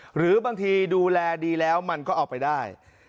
หรือบางทีดูแลดีแล้วมันก็เอาไปได้